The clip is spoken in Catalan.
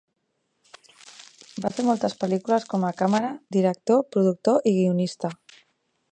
Va fer moltes pel·lícules com a càmera, director, productor, i guionista.